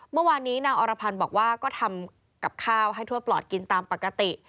เมื่อวานนี้นางอรพันธ์บอกว่าก็ทำกับข้าวให้ทั่วปลอดกินตามปกติ